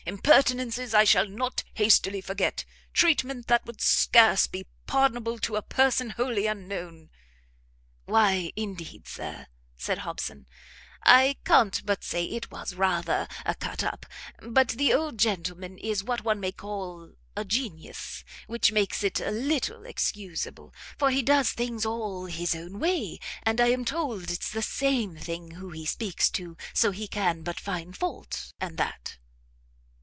impertinences I shall not hastily forget, treatment that would scarce be pardonable to a person wholly unknown! " "Why indeed, Sir," said Hobson, "I can't but say it was rather a cut up; but the old gentleman is what one may call a genius, which makes it a little excusable; for he does things all his own way, and I am told it's the same thing who he speaks to, so he can but find fault, and that."